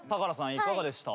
いかがでした？